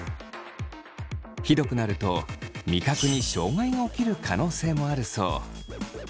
ひどくなると味覚に障害が起きる可能性もあるそう。